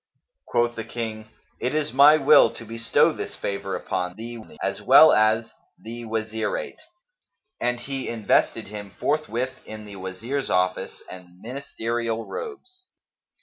Quoth the King, "It is my will to bestow this favour upon thee, as well as the Wazirate;" and he invested him forthwith in the Wazir's office and ministerial robes.